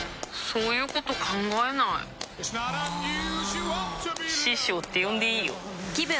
そういうこと考えないあ師匠って呼んでいいよぷ